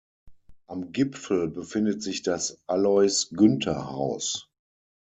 Am Gipfel befindet sich das Alois-Günther-Haus.